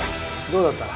どうだった？